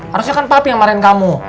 harusnya kan papi yang marahin kamu